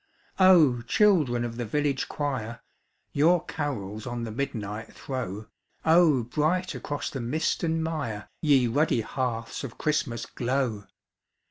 Oh, children of the village choir, Your carols on the midnight throw, Oh bright across the mist and mire Ye ruddy hearths of Christmas glow!